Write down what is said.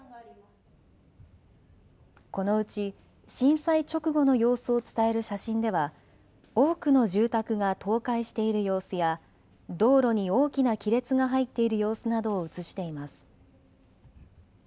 このうち震災直後の様子を伝える写真では多くの住宅が倒壊している様子や道路に大きな亀裂が入っている様子などを写しています。